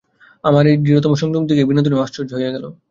আশার এই দৃঢ়তা ও সংযম দেখিয়া বিনোদিনীও আশ্চর্য হইয়া গেল।